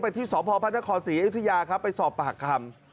ไปที่สพคศรีอิทยาครับไปสอบประหักคำ